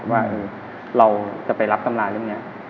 ว่าเราจะไปรับตำราเล่มนี้